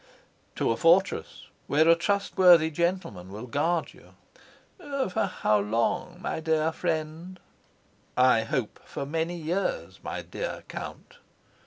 "To a fortress, where a trustworthy gentleman will guard you." "For how long, my dear friend?" "I hope for many years, my dear Count."